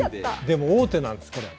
でも王手なんですこれ。